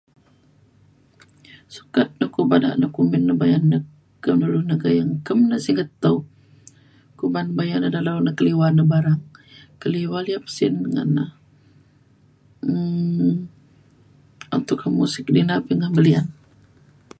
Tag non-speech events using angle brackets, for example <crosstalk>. sukat du bada kumbin bayan <unintelligible> dulu kem siget taup kumban bayan ne dalau keliwa neng barang. keliwa li’ep sin ngan na. um untuk pemuzik ina po na belian.